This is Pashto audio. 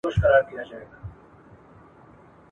د دوی ادارې څو تنو ته ..